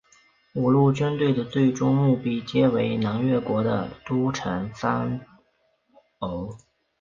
五路军队的最终目标皆为南越国的都城番禺。